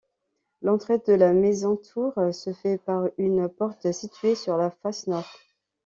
L'entrée de la maison-tour se fait par une porte située sur la face nord.